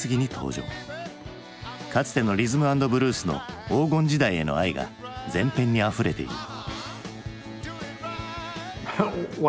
かつてのリズム・アンド・ブルースの黄金時代への愛が全編にあふれている。